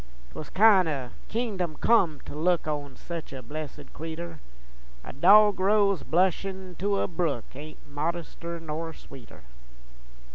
'Twas kin' o' kingdom come to look On sech a blessed cretur, A dogrose blushin' to a brook Ain't modester nor sweeter.